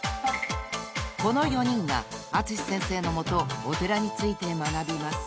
［この４人が淳先生の下お寺について学びます］